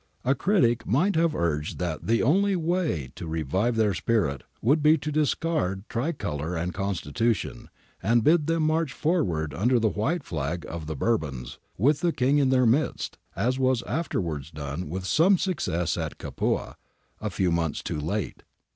A critic might have urged that the only way to revive their spirit would be to discard tricolour and Constitution, and bid them march forward under the white flag of the Bourbons, with the King in their midst, as was afterwards done with some success at Capua a few months too late.